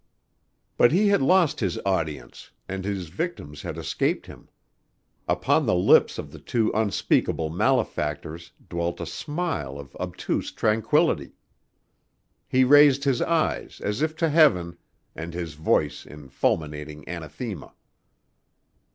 But he had lost his audience and his victims had escaped him. Upon the lips of the two unspeakable malefactors dwelt a smile of obtuse tranquillity. He raised his eyes, as if to heaven, and his voice in fulminating anathema.